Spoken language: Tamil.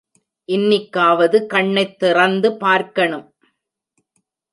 இன்னிக்காவது கண்ணைத் திறந்து பார்க்கணும்.